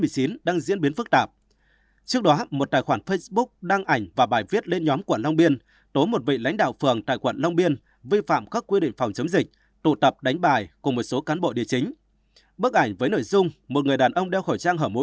xin chào và hẹn gặp lại